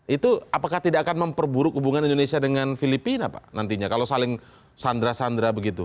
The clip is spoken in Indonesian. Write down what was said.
itu apakah tidak akan memperburuk hubungan indonesia dengan filipina pak nantinya kalau saling sandra sandra begitu